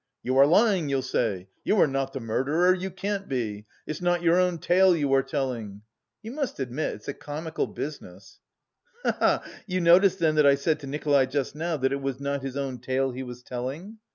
'You are lying,' you'll say. 'You are not the murderer! You can't be! It's not your own tale you are telling!' You must admit it's a comical business!" "He he he! You noticed then that I said to Nikolay just now that it was not his own tale he was telling?"